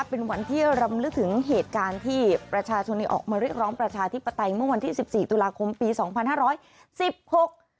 เป็นวันที่รำลึกถึงเหตุการณ์ที่ประชาชนออกมาเรียกร้องประชาธิปไตยเมื่อวันที่สิบสี่ตุลาคมปีสองพันห้าร้อยสิบหก